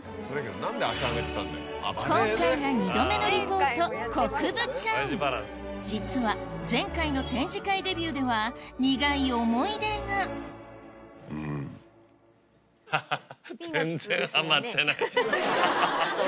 今回が２度目のリポート国分ちゃん実は前回の展示会デビューでは苦い思い出がハハハ。